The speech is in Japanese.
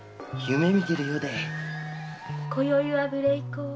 今宵は無礼講。